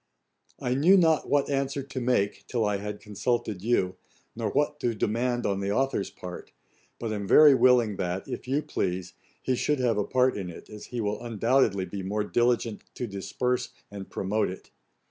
I knew not what answer to make till I had consulted you, nor what to demand on the authour's part, but am very willing that, if you please, he should have a part in it, as he will undoubtedly be more diligent to disperse and promote it.